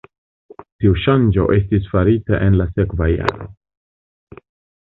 Tiu ŝanĝo estis farita en la sekva jaro.